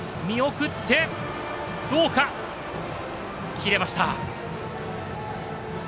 切れました。